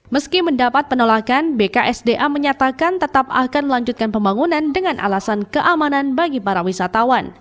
meski mendapat penolakan bksda menyatakan tetap akan melanjutkan pembangunan dengan alasan keamanan bagi para wisatawan